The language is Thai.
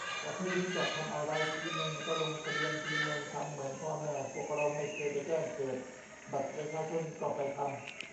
ประเทศนี้ จะทำอะไรทีนึง ก็ลงทะเบียนทีนึง ทำเหมือนพ่อแม่พวกเราไม่เคยไปแจ้งเกิด บัตรประชาชนก็ไปทำ